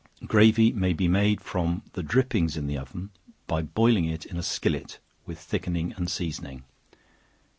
Gravy may be made from the drippings in the oven by boiling it in a skillet, with thickening and seasoning.